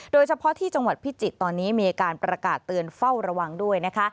โดยเฉพาะที่จังหวัดพิจิตรตอนนี้มีการประกาศเตือนเฝ้าระวังด้วยนะคะ